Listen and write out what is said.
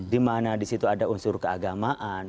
di mana di situ ada unsur keagamaan